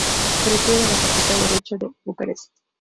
Se retira de la Facultad de Derecho en Bucarest.